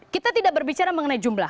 kita tidak berbicara mengenai jumlah